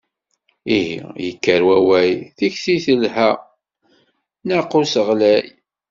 Ihi, yekker wawal, tikti telha, nnaqus ɣlay.